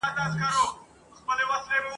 زموږ د معصومو دنګو پېغلو د حیا کلی دی..